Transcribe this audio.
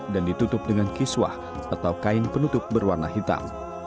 dan ditutup dengan kiswah atau kain penutup berwarna hitam